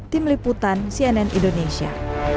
di meliputan cnn indonesia